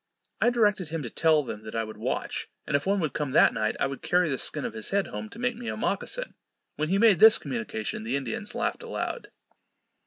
I directed him to tell them that I would watch, and if one would come that night, I would carry the skin of his head home to make me a mockasin. When he made this communication, the Indians laughed aloud.